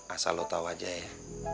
asal lo tau aja ya